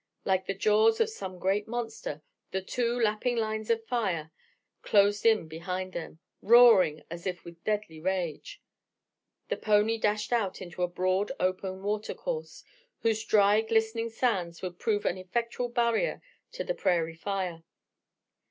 Like the jaws of some great monster, the two lapping lines of fire closed in behind them, roaring as if with deadly rage. The pony dashed out into a broad, open water course, whose dry, glistening sands would prove an effectual barrier to the prairie fire.